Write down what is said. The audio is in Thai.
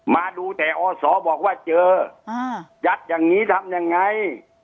มาดูแต่อศบอกว่าเจอยัดอย่างนี้ทำยังไง